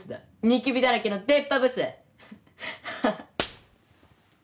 ニキビだらけの出っ歯ブス。